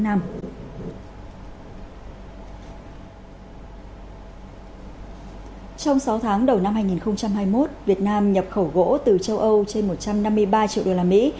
trong sáu tháng đầu năm hai nghìn hai mươi một việt nam nhập khẩu gỗ từ châu âu trên một trăm năm mươi ba triệu đô la mỹ